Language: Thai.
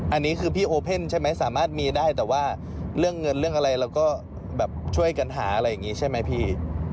อันนี้คือพี่โอเพ่นใช่ไหมสามารถมีได้แต่ว่าเรื่องเงินเรื่องอะไรเราก็แบบช่วยกันหาอะไรอย่างนี้ใช่ไหมพี่